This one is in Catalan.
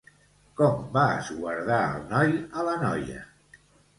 Com va esguardar el noi a la noia?